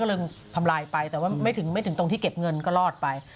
ก็เลยทำลายไปแต่ว่าไม่ถึงตรงที่เก็บเงินก็รอดไป